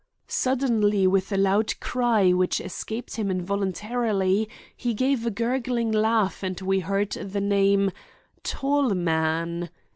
Suddenly with a loud cry which escaped him involuntarily, he gave a gurgling laugh and we heard the name "_Tallman!